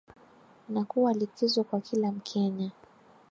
na kuwa likizo kwa kila mkenya